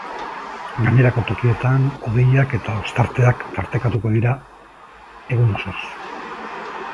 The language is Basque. Gainerako tokietan, hodeiak eta ostarteak tartekatuko dira egun osoz.